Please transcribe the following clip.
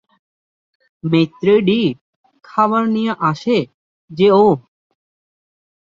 Maître d - খাবার নিয়ে আসে যে ওহ!